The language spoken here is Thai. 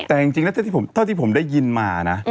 แต่จริงแล้วเท่าที่ผมได้ยินมานะ